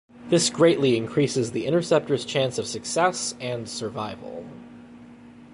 This greatly increases the interceptor's chance of success and survival.